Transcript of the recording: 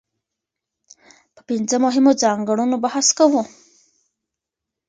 په پنځه مهمو ځانګړنو بحث کوو.